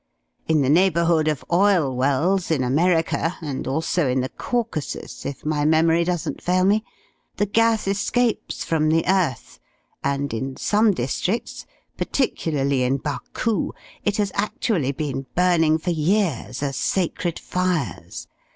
In the neighbourhood of oil wells in America, and also in the Caucasus, if my memory doesn't fail me, the gas escapes from the earth, and in some districts particularly in Baku it has actually been burning for years as sacred fires.